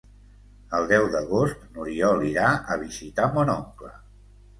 El deu d'agost n'Oriol irà a visitar mon oncle.